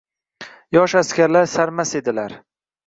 Yosh askarlar sarmast edilar